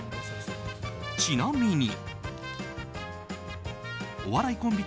ちなみに。